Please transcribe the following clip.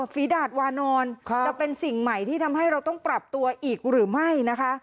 ฝีดาดวานอนจะเป็นสิ่งใหม่ที่ทำให้เราต้องปรับตัวอีกหรือไม่นะคะ